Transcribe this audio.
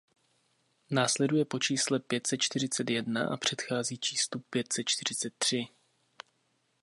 Následuje po čísle pět set čtyřicet jedna a předchází číslu pět set čtyřicet tři.